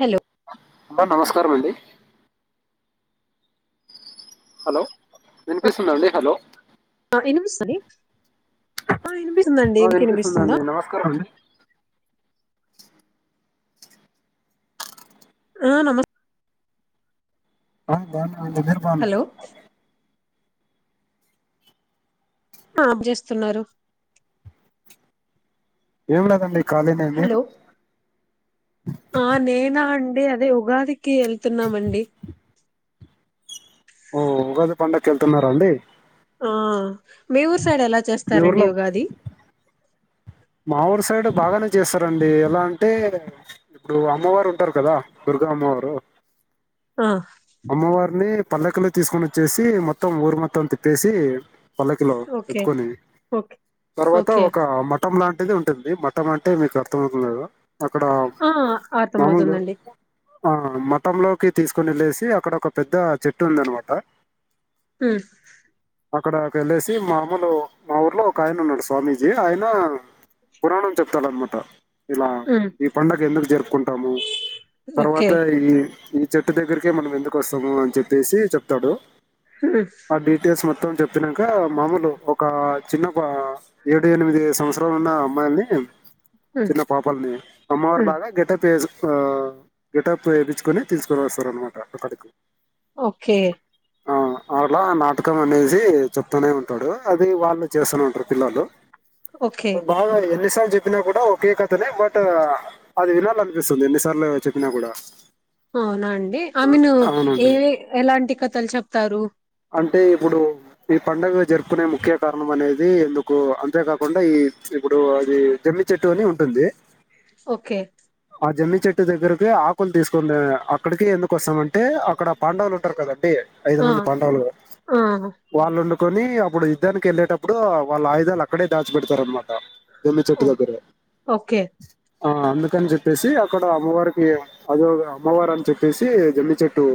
Hello ఆంబా నమస్కారం అండి హలో వినిప్ పిస్తుందా అండి హలో వినిపిస్తది ఆ వినిపిస్తుందా వినిపిస్తుందండి నమస్కారం ఆ నమ అన్ బావున్నా [inaudible] మీరు బాగున్నారా హలో అప్జేస్తున్నారు ఏం లేదండి ఖాళీనే మీరు హలో ఆ నేనా అండి అదే ఉగాది కి ఎళ్తున్నామండి ఓ ఉగాది పండక్కెళ్తున్నారా అండి ఆ మీ ఊరు సైడ్ ఎలా మీ చేస్తారండి ఊర్లో ఉగాది మా ఊరు సైడ్ బాగానే చేస్తారండి. ఎలా అంటే ఇప్పుడు అమ్మవారు ఉంటారు కదా దుర్గా అమ్మవారు ఆ అమ్మవారిని పల్లకిలో తీసుకోని వచ్చేసి మొత్తం ఊరు మొత్ మొత్తం తిప్పేసి పల్లకిలో ఓకే ఎత్తుకొని ఓకే తర్వాత ఓకే ఒక మటం లాంటి అది ఉంటుంది. మట్టం అంటే మీకు అర్థం అవుతుంది కదా అక్కడ ఆ మామూలు అర్థంమవుతుందండి ఆ మతంలోకి తీసుకుని వెళ్ళసి అక్కడ ఒక పెద్ద చెట్టు ఉంది అన్నమాట హ అక్కడకి వెళ్ళసి మామూలు మా ఊర్లో ఒక ఆయన ఉన్నాడు స్వామీజీ ఆయన పురాణం చెప్తాడన్నమాట ఇలా ఉమ్ ఈ పండుగ ఎందుకు జరుపుకుంటాము ఓకే తర్వాత ఈ చెట్టు దగ్గర ఒకే మనం ఎందుకు వస్తాము అని చెప్పేసి చెప్తాడు ఉమ్ ఆ డిటెల్స్ మొత్తం మొత్తం చెప్పినాక మామూలు ఒక చిన్న పా ఏడు ఎనిమిది సంవత్సరాలు ఉన్న అమ్మాయిల్ని ఉమ్ చిన్న పాపాలని ఉమ్ అమ్మవర్లాగా గెటాప్ వేసి ఆ గెటాప్ వేపించుకొని తీసుకుని వస్తారు అన్నమాట రట్ట పడుకు ఓకే ఆ అట్లా నాటకం అనేసి చెప్తూనే ఉంటాడు అది వాళ్ళు చేస్తూనే ఉంటారు పిల్లలు ఓకే బాగా ఎన్నిసార్లు చెప్పినా కూడా ఒకే కథనే బట్ అది వినాలనిపిస్తుంది ఎన్నిసార్లు చెప్పినా కూడా అవునా అండి ఆ మీను అవునండి ఏవి ఎలాంటి కథలు చెప్తారు అంటే ఇప్పుడు ఈ పండుగ జరుపుకునే ముఖ్య కారణం అనేది ఎందుకు అంతేకాకుండా ఈ ఇప్పుడు అది జమ్మి చెట్టు అని ఉంటుంది ఓకే ఆ జమ్మి చెట్టు దగ్గరకి ఆకులు తీసుకు అక్కడికి ఎందుకు కోసం అంటే అక్కడ పాండావులు ఉంటారు కదండి ఐదు ఆ మంది ఆ వాళ్ళు వండుకొని అప్పుడు యుద్ధానికి వెళ్ళేటప్పుడు వాళ్ళ ఆయుధాలు అక్కడే దాచి పెడతారు అన్నమాట జమ్మి చెట్టు ఓ- దగ్గరే ఓకే ఆ అందుకని చెప్పేసి అక్కడ అమ్మవారికి అదో అమ్మవారు అని చెప్పేసి జమ్మి చెట్టు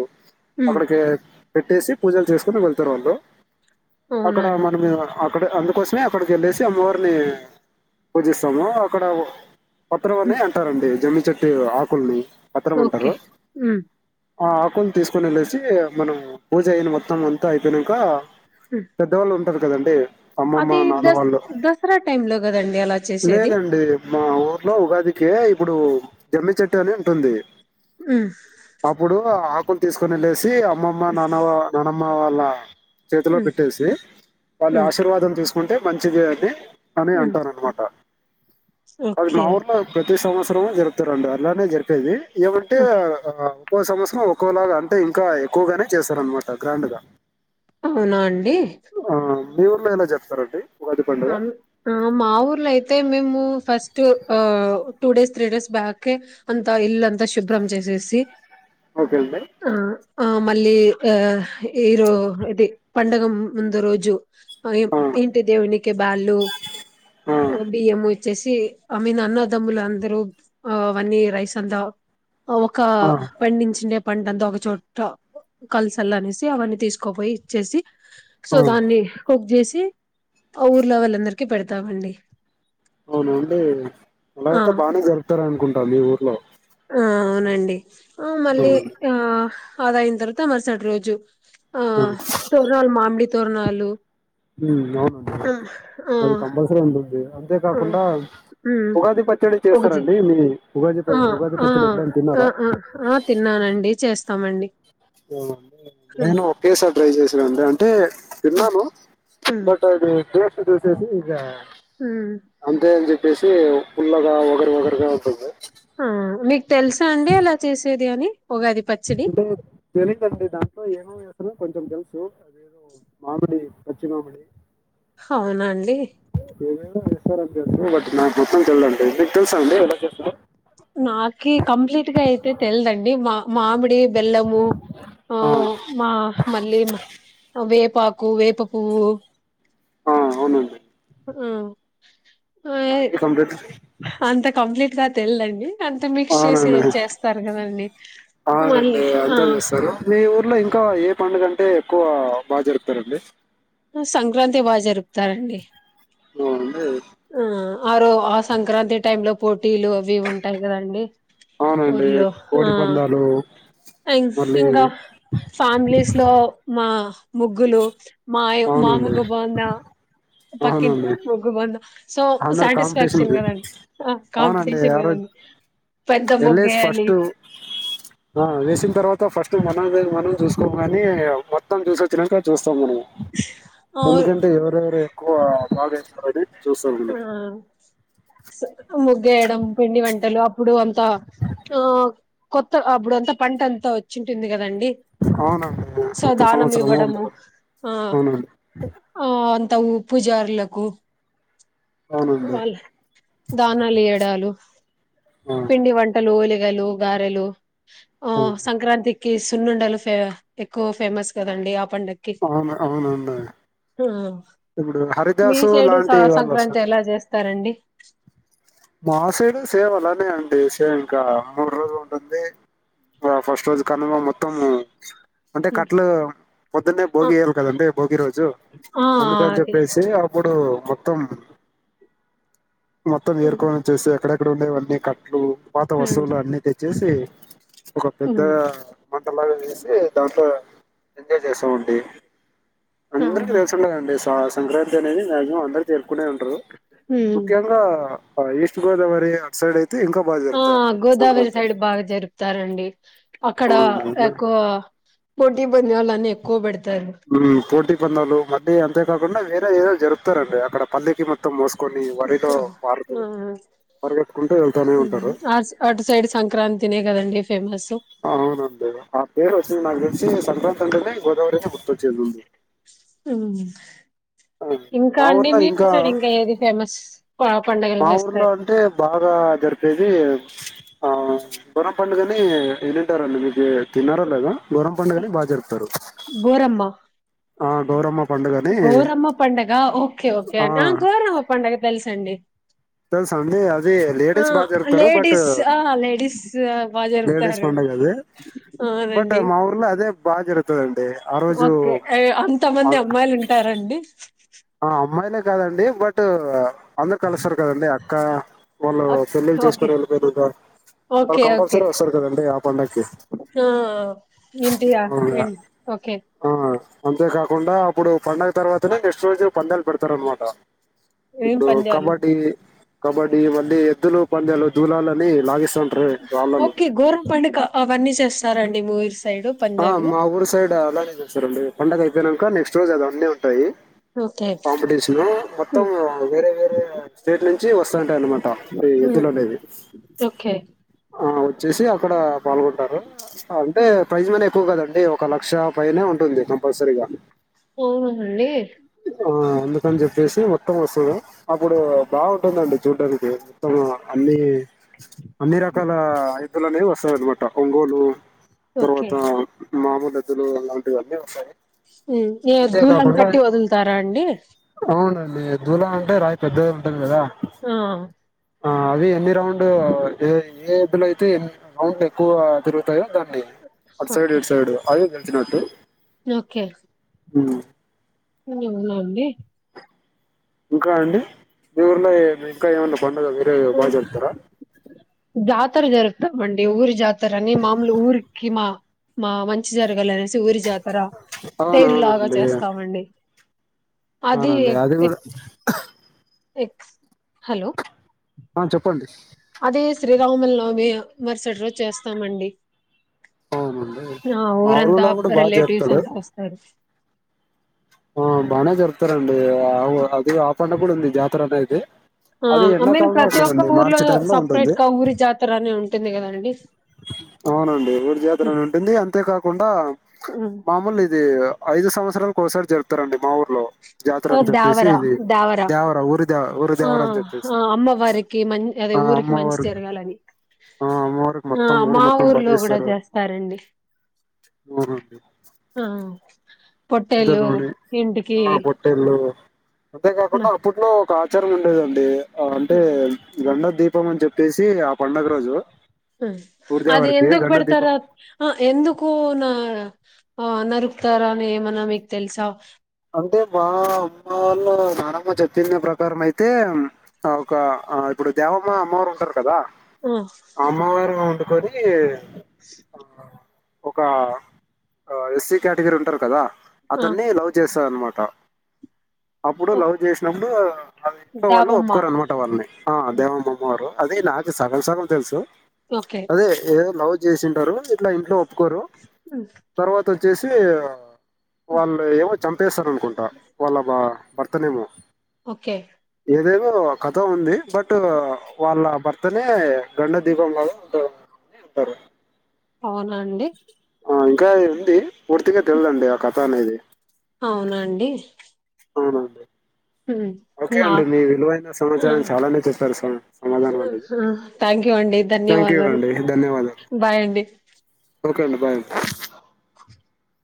ఉమ్ అప్పుడుకె పెట్టేసి పూజలు చేసుకుని వెళ్తారు వాళ్ళు అవునా అక్కడ అండి మనం ఎమన్నా అక్ అక్కడ అందుకోసమే అక్కడికిళ్ళేసి అమ్మవారిని పూజిస్తాము పక్కడవు పత్రం అనే అంటారండి జమ్మి చెట్టు ఇగ ఆకుల్ని పత్రం ఓకే అంటారు ఉ ఆ ఆకుని తీసుకుని వెళ్లేసి మనం పూజ అయ్యనమా మొత్తం అంత అయిపోయినంక హ్మ్. పెద్ద వాళ్ళు ఉన్ టారు కదండి అమ్మమ్మ అది నాన్న దస్ వాళ్ళు దసరా టైం లో కదండి అలా చేసేది లేదండి మా ఊర్లో ఉగాదికే ఇప్పుడు జమ్మి చెట్టు అని ఉంటుంది హ్మ్. అప్పుడు ఆ ఆకు కులు తీసుకుని ఎల్లేసి ది అమ్మమ్మ నాన్న వా అమ్మవాళ్ళ చేతిలో హ్మ్. పెట్టేసి వాళ్ళు హ్మ్. ఆశీర్వాదం తీసుకు కుంటే మంచిది అదే అని హ్మ్. అంటరన్ మాట అది మా ఓకే. ఊర్ల పెట్ ప్రతి సంవత్సరం జరుపుతరాంట అలానే జరిపేది ఎవంటె ఆ ఓకే. ఒక్కో సంవత్సరం ఒక్కోలాగా అంటే ఇంకా ఎక్కువగానే చేస్తారు అన్ మాట గ్రాండు గా అవునా అండి మీ ఊర్లో ఎలా జరుపుతరండి అం ఆ మా ఊర్ల అయితే మేము ఫస్ట్ తుర్ పావు టూ డేస్ త్రీ డేస్ బ్యాకే అంతా ఇల్లంతా శుభ్రం చేసేసి ఒకే అండి ఆ మళ్ళీ ఆ ఈరో ఇది పండగ ముందు రోజు అయం ఆ, ఇంటి దేవుని కే బాళ్ళు ఆ. ఒబియ్యం బోయి వచ్చేసి ఆ మీన్ అన్నదమ్ములు అందరూ ఆ అవన్నీ రైస్ అంత ఆ ఒక ఆ పండించి నేమ్ పంటంతా ఒకచోట కలసల్ల అనేసి అవన్నీ తీసుకపోయి ఇచ్చేసి సో ఆ దాన్ని కుక్ జేసి మ్ ఆ ఊర్లో వాళ్ళందరికి పెడతామండి అవునండి అలా ఆ అయితే బాగానే పెడతారనుకుంటా మీ ఊరు బ ఆ అవునండి ఆ మళ్ళీ ఆ అదా అయిన తర్వాత మరుసటి రోజు ఆ ఉమ్ తోరణాలు మామిడి తొరణాలు ఉ అవును మరి కంపల్సరీ ఉంటుంది అంతే ఆ కాకుండా ఉమ్ ఉగాది పచ్చడి ఒకటి చేస్తారండి మీ ఉగాది ఆ ప ఉగాది ఆ పచ్చడి ఎప్పుడైనా తిన్నారా స్తామండి నేను ఒకే సారి ట్రై చేసి రండి అంటే తిన్నాను ఉమ్ బట్ అది టెస్ చూసేసి ఇగ మ్ వచ్చేసి పుల్లగా వగరు వగరుగా ఉంటుంది దే అని ఉగాది [unintelligible] పచ్చడి అంటే తెలిందండి దాంట్లో ఏమ అసలు కొంచెం తెలుసు అదేదో మామిడి పచ్చి మామిడి హా అవునండి [unintelligible] [inaudible] స్తార్ంత బట్ నా చెప్పతం కళ్ళాడ నాకి కంప్లీట్ గా అయితే తెల్ దండి మా మామిడి బెల్లము ఆ మా మళ్ళీ వేకఫ్ ఎఫ్ పాకు వేప పువ్వు ఆ అవునండి ఆ ఆ మకే కంప్లీట్స్ అంత కంప్లీట్ గా తెల్దండి అంత మిక్స్ చేసి అవునండి చేస్తారు కదండి మళ్ళీ అవునండి ఆ అంతా చేస్తారు మీ ఊర్లో ఇంకా ఏ పండుగ అంటే ఎక్కువ బాగా జరుపుతారండి హా సంక్రాంతి బాగా జరుపుతారండి ను ఉంటాయి కదే [unintelligible] ఆ రో ఆ సంక్రాంతి టైమ్ లో పోటీలు అవి ఉంటాయి గాదండి అవునండి ఊర్లో ఆ కోడి పందాలు మళ్ళీ ఇంకా ఫ్యామిలీస్ లో మ ముగ్గులు మాయు మా అవునండి ముగ్గు బాగుందా పక్కింటి వాళ్ళ ముగ్గు బాందా అందరూ కాంపిటీషన్ అవునండి కాంపిటీషన్ ఆ రోజ్ కదండి పెద్ద ఎల్లేస్ ముగ్గేయాలి ఫస్ట్ ఆ వేసిన తర్వాత ఫస్ తు మనమే మనం చూసుకోవాలి మొత్తం చూసొచ్చినాక చూస్తాం మనము ఆ ఎందుకంటే ఎవరెవరు ఎక్కువ బాగా ఏసినోళ్లది ఒకటి చూస్ ఆ ఇస్ తు ముగ్గు వేయడం పిండి వంటలు అప్పుడు అం తా ఆ కొత్త అప్పుడంతా పంట అంతా వచ్చింటుంది కదండి అవునండి సో కొత్త దానం సంవత్సరంలో అంత ఇవ్వడము గా అవున అండి తవు పూజారులకు అవునండి వాళ్ళ దానాలు ఈయాడలు ఆ, పిండి వంటలు లేక గలు గారెలు ఆ సంక్రాంతి కి సున్నుండలు ఫే ఎక్కువ ఫేమస్ కదండి పండక్కి అవును అవ్వండి ఆ ఇప్పుడు హరిదాసు లాంటి వాళ్ళ వంతె ఎలా జేస్తారండి మాసేడు సేమ్ అలానే అండి సేమ్ ఇంకా మూడు రోజులు ఉంటుంది ఇంకా ఫస్ట్ రోజు కనుమ మొత్తము అంటే కట్టలు పొద్దున్నే ఆ భోగి వయాలి కదండి భోగి రోజు ఆ అందుకని అది చెప్పేసి అప్పుడు పుడు మొత్తం మొత్తం మీరు హ్మ్ నం చేస్తే ఎక్కడెక్కడ ఉండేవన్నీ కట్టలు పాత హ్మ్ వస్తువులు అన్ని చేసి ఒక పెద్ద హ్మ్. మంటలాగా వేసి దాంట్లో ఎంజాయ్ చేస్తా ఉండి అందరికీ అవునా తెలుసండి అండి సాస్ సంక్రాంతి అనేది మాక్సిమం అందరికి తె కునే ఉంటారు హ్మ్ ముఖ్యంగా ఆ ఈస్ట్ గోదవరి అట్ సైడ్ అయి ఆ గోదావరి సైడ్ బాగా జరుపుతారండి అక్కడ అవునండి అందరూ- ఎక్కువ కొటీ బందవళ అనే ఎకువబడతది పోటీ పందలు మళ్ళీ అంతేకాకుండా వేరే ఏదో జరుపుతారం అడి అక్కడ పల్లెకి మొత్తం మో పరిగెత్తుకుంటూ వెళ్తూనే ఉంటారు ఆ అటు సైడ్ సంక్రాంతినే కదండి ఫేమస్ అవునండి ఆ పేరు వచ్చింది నా తెలిసి సంక్రాం ంటెనే గోదావరినె గుర్తొచ్చేది ముందు ఉమ్ ఆ! ఇంకా మా అండి ఊర్లో మీది సైడ్ ఇంకా ఏది ఫేమస్ కాప్ మా ఊర్లో అంటే బాగా జరిపేది ఆ మ పండుగని ఏనుంటారండి మీకు విన్నారోలేదో గోరం పండుగని బాగా జరుపుతారు ఆ గౌరమ గౌరమ్మ పండగ ఓకే ఓకే గౌరమ్మ పండగ తెలులిసు సండి స సంే అదిే లేడీస్ బాగార్తారు బట్ లేడీస్ ఆ లేడీస్ బాగా లేడీస్ జరుపుతారు పండ కది బట్ అవునండి మా ఊర్లో అదే బాగా జరుగుతుందండి ఆ రోజు ఓకే అంత మంది అమ్మాయిలు ఉంటారంండి ఆ అమ్మయిలే కదండి బట్ అందరు కలుస్తారు కదంది అక్క వాళ్ళు పెళ్ళిళ్ళు ఓకే చేసుకొని వెళ్ళిపోయద వాళ్ళు ఓకే ఓకే కంపల్సరీ వస్తారు కదండి ఆ పండగకి ఆ ఏంటియా ఓకే అంతేకాకుండా అప్పుడు పండడుగ తర్వాతనే నెక్స్ట్ రోజు పందలు పడతారు అన్నమాట ఏం ఇప్పు పంద్యాలు కబడ్డిీ కబడ్డీ మళ్ పెద్ద్దలు పందలు దూలాలని లాగే ఓకే గోరం పండుగ అవన్నీ చేస్త చూస్తారా అండి మూవీస్ ఆ మా ఊరు సైడ్ అలాగే చేస్తారు అండి పం డగ అయి కనుక నెక్స్ట్ రోజ అవన్నీ ఉంటాయి ఓకే కాంపిటీషన్ మొత్తం ఉమ్, వేరే వేరే స్టేట్ నుంచి వస్తుంటాయి అనమాట ఉమ్, ఎద్దులనేవీ ఓకే ఆ వచ్చేసి అక్కడ పాల్గొంటారు అంటే ఉమ్, ఎక్కువ కదండి ఒక లక్ష పైనే ఉంటుంది కంపల్సరీగా అవునా అండి ఆ అందుకని చెప్ వచ్చేసి మొత్తం వస్తుంది అప్పుడు బాగుంటుందండి చూడ్డానికి మొత్తం అన్నిీ అన్ని రకాల అలనే వస్థాయి అనమాట ఒంగోలు ఓకే తర్వాత మామ దద్దులు అలాంటివన్నీ వస్తాయి ఏ దుళ్ళను అంతేకాకుండా కట్టి వదులుతారా ఎండీ అవునండి దూలా అంటే రాయి పెద్దది ఉంటుంది కదా ఆ ఆ అవి ఎన్ని రౌండ్ ఏ ఏదులో అయితే ఎన్ని రౌండ్ ఎక్కువ తిరుగుతాయో దాన్ని డి అటు సైడ్ ఓకే ఇటు సైడ్ ఆ వచ్చినటు ఓకే ఉ అవునా అండి ఇంకా అండి మీ ఊర్లో ఇంకా ఏమన్నా పండుగ వేరే బాగా జరుపుతారా జాతర జరుపు మండి ఊరు జాత తారని మాములు ఊరుకిి మా మా మంచి జరగలేనేసి జాతర తేరులాగా అవునవునండి చేస్తామండి అవునండి అది కూడా ఎక్స్ హలో ఆ చెప్పండి అదే శ్రీరాముల నోమి మరుసటి రోజు చేస్తామండి అవునండి ఆ మా ఊరంతా ఊర్లో కూడా బాగా రిలేటివ్స్ జరుపుతాడు అంతా వస్తారు ఆ బానే జరుపుతారండి అది పండగ కూడా ఉంది జాతర అనేది ఆ అది ఐ మీన్ ఎండాకాలంలో ప్రతి ఒక్క ఉంటదండి ఊర్లో మార్చి టైం లో సపరేట్ ఉంటుంది గా ఊరి జాతర అని ఉంటుంది కదండి అవునండి ఊరీ జాతర అని ఉంటుంది అంతేకాకుండా మామూలు ఇది ఐదు సంవత్సాలకి ఒకసారి జరు గుతాదండీ మా ఊ హలో జాతర అని చెప్పేసి దేవరా ఇది దేవరా దేవర ఊరి దేవ ఊరి ఆ దేవర అని చెప్పేసి ఆ అమ్మవారికి మ అదే ఆ ఊరికి మంచి అమ్మవారు జరగాలని ఆ అమ్మవారికి ఆ మొత్తం ఊరు మా మొత్తం ఊర్లో కూడా బలిస్తారు చేస్తారండి ఆ పొట్టేలు జగోడి ఇంటికి ఆ పొట్టెళ్ళు అంతేకాకుండా నా అప్పట్లో ఒక ఆచారం ఉండేదండి అంటే గండ దీపం అని చెప్పేసి పండగ రోజు ఆ అది ఊరిదేవరికి ఎందుకు గండ దీపం పెడతారా ఆ ఎందుకు నా ఆ నరుకుతారా అని ఏమన్నా మీకు తెలుసా అంటే మా అమ్మ వాళ్ళ నానమ్మ చెప్పింది ప్రకారం అయితే ఒక ఇప్పుడు దేవమ్మ అమ్మవారు ఉంటారు కదా ఆ అమ్మ వారు గా ఉంట కోరి స్ ఒక ఎస్సి క్యాటగిరీ ఉంటారు కదా ఆ అదన్ని ఇలా వ తెలుస్సది అనమాట అప్పుడు ఓ లవ్ చేసినప్పుడు అది ఇంట్లో వాళ్ళు దాబమ్మ ఒప్పుకోారు అనమాట వాళ్ళని ఆ దేవమ్మ అమ్మ వారు అది నాకు సగం సగం తెలుసు ఓకే అదే ఏ లవ్ చేసింటారు ఇట్ల ఇంట్లో కోరు తరువాత వచ్చ వచ్చేసి వాళ్ళు ఎవో చంపేస్తారని కుంటా వాళ్ళ బా భర్త నేమో ఓకే ఏదేదో కథ ఉంది బట్ వాళ్ళ భర్త తనే రెండో దీపం లాగా ఉంట తరు అవునా అండి ఆ ఇంకా ఉంది పూర్తిగా తెల్దండి ఆ కథా అనేది [inaudible] అవునండి అవునండి ఓకే నా అండి మీ విలువైన ఆ సమాచారంా చాలానే చెప్పారు స సమాధానం అనేది థ్యాంక్ యూ అండి థ్యాంక్ యూ ధన్యవాదాలు అండి ధన్యవాదాలు బాయ్ అండి ఓకే అండి బాయ్ [inaudible]